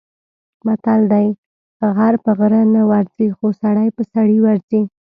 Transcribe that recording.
متل دی: غر په غره نه ورځي، خو سړی په سړي ورځي.